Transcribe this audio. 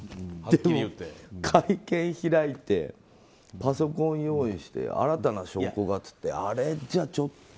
会見開いてパソコン用意して新たな証拠がって言ってあれじゃちょっと。